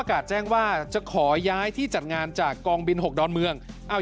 แจ้งว่าจะขอย้ายที่จัดงานจากกองบิน๖ดอนเมือง